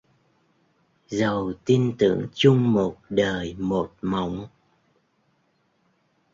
Dầu tin tưởng chung một đời, một mộng